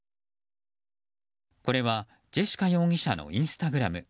これはジェシカ容疑者のインスタグラム。